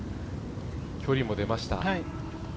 距離も出ました。